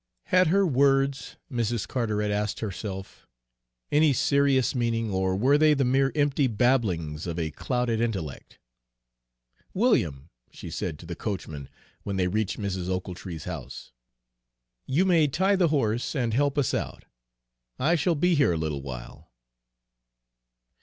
Had her words, Mrs. Carteret asked herself, any serious meaning, or were they the mere empty babblings of a clouded intellect? "William," she said to the coachman when they reached Mrs. Ochiltree's house, "you may tie the horse and help us out. I shall be here a little while."